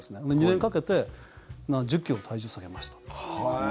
２年かけて１０ｋｇ体重下げました。